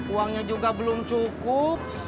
uangnya juga belum cukup